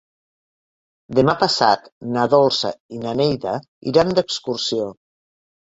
Demà passat na Dolça i na Neida iran d'excursió.